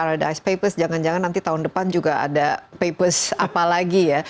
ada dice papers jangan jangan nanti tahun depan juga ada papers apa lagi ya